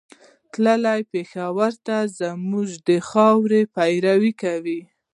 تللی پېښور ته زموږ د خاورې بېپاري کوي